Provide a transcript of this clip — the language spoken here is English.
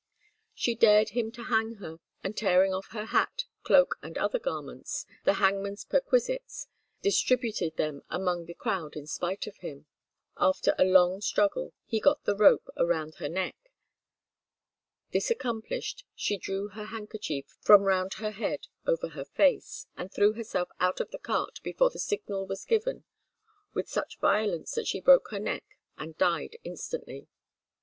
She dared him to hang her, and tearing off her hat, cloak, and other garments, the hangman's perquisites, distributed them among the crowd in spite of him. After a long struggle he got the rope around her neck. This accomplished, she drew her handkerchief from round her head over her face, and threw herself out of the cart before the signal was given with such violence that she broke her neck and died instantly.